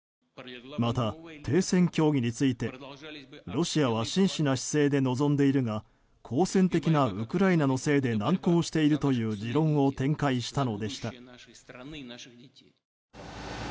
また、停戦協議についてロシアは真摯な姿勢で臨んでいるが好戦的なウクライナのせいで難航しているという持論を展開したのでした。